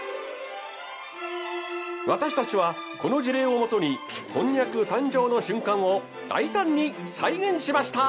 私たちはこの事例をもとにこんにゃく誕生の瞬間を大胆に再現しました。